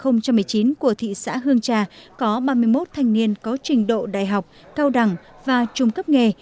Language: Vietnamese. năm hai nghìn một mươi chín của thị xã hương trà có ba mươi một thanh niên có trình độ đại học cao đẳng và trung cấp nghề